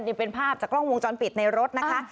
นี่เป็นภาพจากกล้องวงจรปิดในรถนะคะ